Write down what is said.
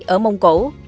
ở mông cổ